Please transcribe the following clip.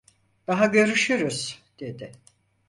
"Daha görüşürüz…" dedi.